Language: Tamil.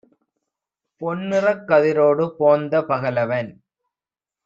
பொன்நிறக் கதிரொடு போந்த பகலவன்